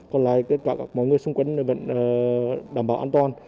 còn lại tất cả mọi người xung quanh vẫn đảm bảo an toàn